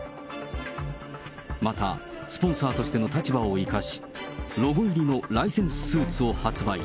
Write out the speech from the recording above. またスポンサーとしての立場を生かし、ロゴ入りのライセンススーツを発売。